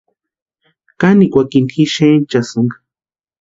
Kanikwakini ji xenchasïnka.